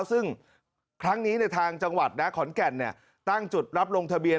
ซึ่งครั้งนี้ทางจังหวัดขอนแก่นตั้งจุดรับลงทะเบียน